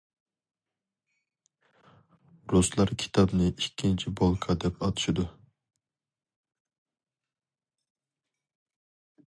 رۇسلار كىتابنى ئىككىنچى بولكا دەپ ئاتىشىدۇ.